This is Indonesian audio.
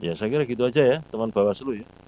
ya saya kira gitu aja ya teman bawaslu ya